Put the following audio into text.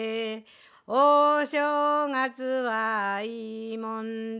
「お正月はいいもんだ」